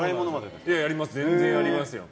全然やります。